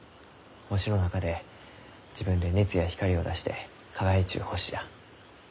星の中で自分で熱や光を出して輝いちゅう星じゃ。